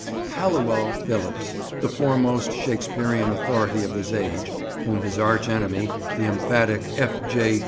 Halliwell Phillipps, the foremost Shakespearean authority of his age (whom his arch enemy, the emphatic F. J.